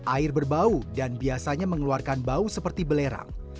air berbau dan biasanya mengeluarkan bau seperti belerang